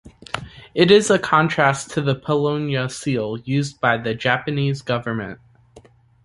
It is a contrast to the Paulownia Seal used by the Japanese government.